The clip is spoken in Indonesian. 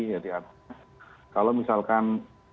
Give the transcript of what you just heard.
jadi artinya kalau misalkan